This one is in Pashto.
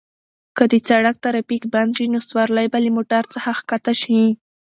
که د سړک ترافیک بند شي نو سوارلۍ به له موټر څخه کښته شي.